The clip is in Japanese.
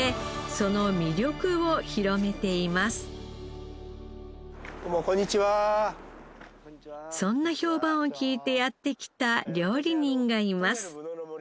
そんな評判を聞いてやって来た料理人がいます。